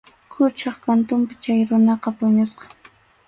Quchap kantunpi chay runaqa puñusqa.